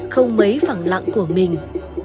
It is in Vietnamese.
không mấy phẳng lặng của mình